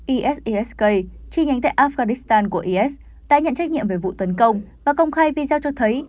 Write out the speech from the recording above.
is isk chi nhánh tại afghanistan của is đã nhận trách nhiệm về vụ tấn công và công khai video cho thấy